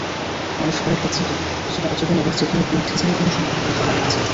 মানুষ অনেকটা চেতন, কিছুটা অচেতন আবার চেতনের ঊর্ধ্বে যাইবারও সম্ভাবনা তাহার আছে।